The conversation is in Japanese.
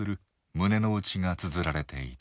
胸の内がつづられていた。